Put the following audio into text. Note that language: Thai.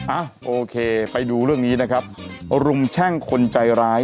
อ่ะโอเคไปดูเรื่องนี้นะครับรุมแช่งคนใจร้าย